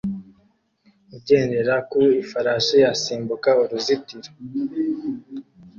Ugendera ku ifarashi asimbuka uruzitiro